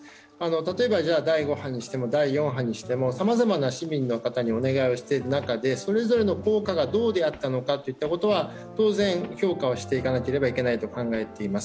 例えば第５波にしても第４波にしてもさまざまな市民の方にお願いをしている中で、それぞれの効果がどうであったのかといったことは当然、評価はしていかなければいけないと考えています。